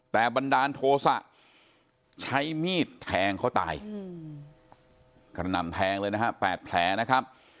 แต่บันดาลโทษะใช้มีดแทงเขาตายกระหน่ำแทงเลยนะฮะ๘แผลนะครับ